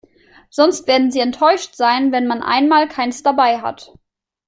Sonst werden sie enttäuscht sein, wenn man einmal keins dabei hat.